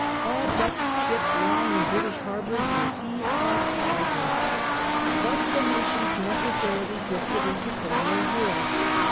All Dutch ships lying in British harbours were seized as prizes. Thus the nations necessarily drifted into formal war.